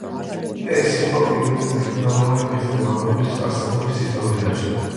ეს იყო პირველი მნიშვნელოვანი მიღწევა კლუბის არსებობის ისტორიაში.